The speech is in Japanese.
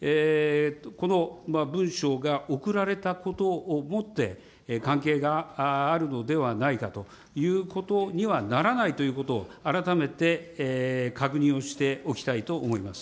この文書が送られたことをもって、関係があるのではないかということにはならないということを、改めて確認をしておきたいと思います。